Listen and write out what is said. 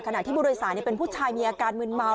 ขณะที่ผู้โดยสารเป็นผู้ชายมีอาการมืนเมา